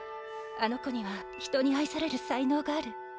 あの子には人にあいされるさいのうがある。